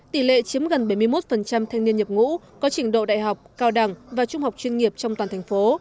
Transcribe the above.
tỷ lệ chiếm gần bảy mươi một thanh niên nhập ngũ có trình độ đại học cao đẳng và trung học chuyên nghiệp trong toàn thành phố